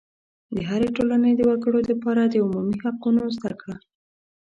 د هرې ټولنې د وګړو دپاره د عمومي حقوقو زده کړه